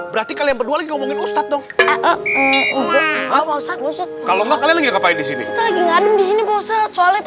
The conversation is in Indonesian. berarti kalian berdua lagi ngomongin ustadz dong kalau nggak lagi ngadem di sini panas banget